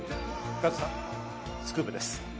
加藤さん、スクープです。